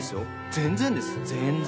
全然です全然！